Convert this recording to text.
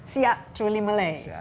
siak truly melayu